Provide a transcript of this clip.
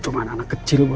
cuman anak kecil bos